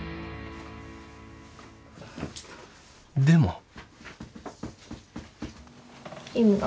でも。